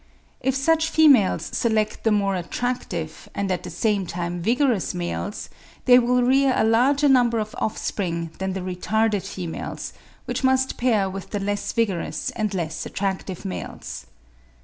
If such females select the more attractive, and at the same time vigorous males, they will rear a larger number of offspring than the retarded females, which must pair with the less vigorous and less attractive males.